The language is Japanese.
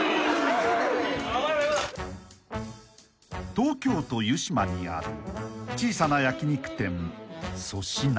［東京都湯島にある小さな焼き肉店］